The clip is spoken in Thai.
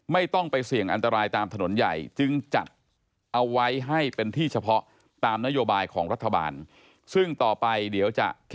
ไม่ต้องไปเสี่ยงอันตรายตามถนนใหญ่